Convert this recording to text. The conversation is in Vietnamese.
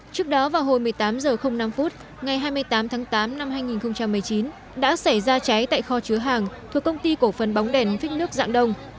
trước đó vào hồi một mươi tám h năm ngày hai mươi tám tháng tám năm hai nghìn một mươi chín đã xảy ra cháy tại kho chứa hàng thuộc công ty cổ phần bóng đèn phích nước dạng đông